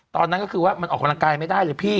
ตอนนั้นก็คือว่ามันออกกำลังกายไม่ได้เลยพี่